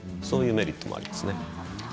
そういうメリットがあります。